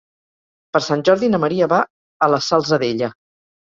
Per Sant Jordi na Maria va a la Salzadella.